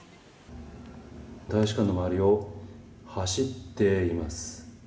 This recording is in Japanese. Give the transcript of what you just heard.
大使館の周りを走っています。